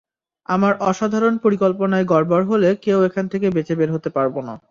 আমার অসাধারণ পরিকল্পনায় গড়বড় হলে কেউ এখান থেকে বেঁচে বের হতে পারব না।